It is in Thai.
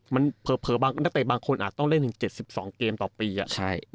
มันเผลอบางคนอาจต้องเล่นถึง๗๒เกมต่อปี